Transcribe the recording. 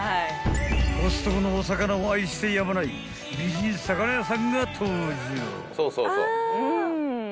［コストコのお魚を愛してやまない美人魚屋さんが登場］